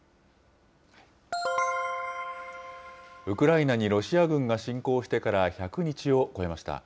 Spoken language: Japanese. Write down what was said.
ウクライナにロシア軍が侵攻してから１００日を超えました。